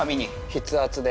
筆圧で。